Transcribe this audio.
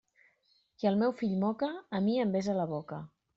Qui el meu fill moca, a mi em besa la boca.